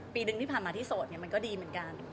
ปีหนึ่งที่ผ่านมาที่โสดมันก็ดีเหมือนกัน